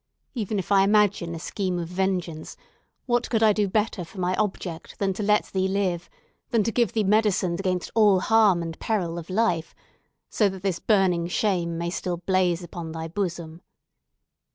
Even if I imagine a scheme of vengeance, what could I do better for my object than to let thee live—than to give thee medicines against all harm and peril of life—so that this burning shame may still blaze upon thy bosom?"